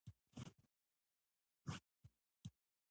دا هورمون وینې ته رسیږي.